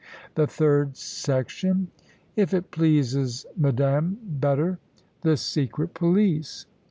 "The Third Section?" "If it pleases madame better, the secret police.